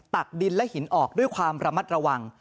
ตักดินและหินออกด้วยความระมัดระวัง